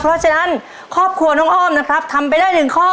เพราะฉะนั้นครอบครัวน้องอ้อมนะครับทำไปได้๑ข้อ